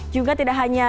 juga tidak hanya